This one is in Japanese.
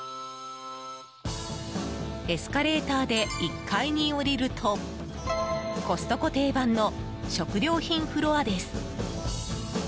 エスカレーターで１階に下りるとコストコ定番の食料品フロアです。